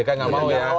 k tidak mau ya